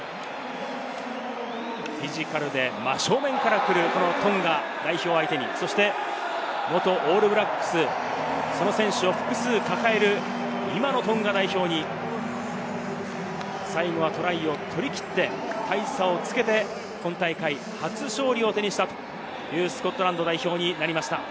フィジカルで真正面からくる、このトンガ代表を相手に、そして元オールブラックス、その選手を複数抱える、今のトンガ代表に最後はトライを取り切って、大差をつけて、今大会、初勝利を手にしたというスコットランド代表になりました。